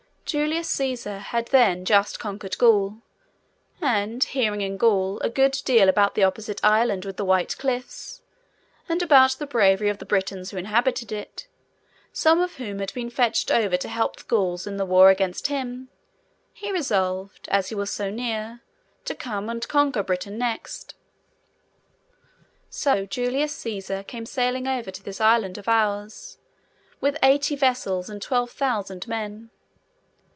Julius Cæsar had then just conquered Gaul; and hearing, in Gaul, a good deal about the opposite Island with the white cliffs, and about the bravery of the Britons who inhabited it—some of whom had been fetched over to help the Gauls in the war against him—he resolved, as he was so near, to come and conquer Britain next. So, Julius Cæsar came sailing over to this Island of ours, with eighty vessels and twelve thousand men.